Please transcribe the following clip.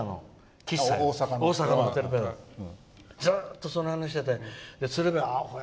大阪のホテルでずっとその話をしててアホや！